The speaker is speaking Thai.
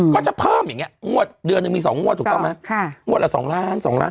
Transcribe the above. ก็จะเพิ่มอย่างเงี้ยงวดเดือนต้องมีสองงวดถูกต้องไหมค่ะ